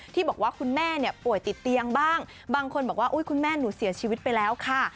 ที่บอกว่าคุณแม่เนี่ยป่วยติดเตียงบ้างบางคนบอกว่าอุ๊ยคุณแม่หนูเสียชีวิตไปแล้วค่ะ